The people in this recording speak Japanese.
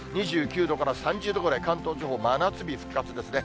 ２９度から３０度ぐらい、関東地方、真夏日復活ですね。